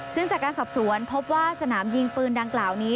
ซึ่งจากการสอบสวนพบว่าสนามยิงปืนดังกล่าวนี้